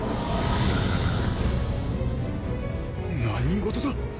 何事だ！？